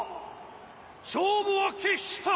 勝負は決した！